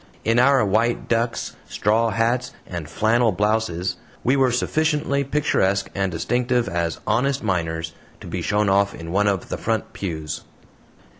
In our white ducks, straw hats, and flannel blouses, we were sufficiently picturesque and distinctive as "honest miners" to be shown off in one of the front pews.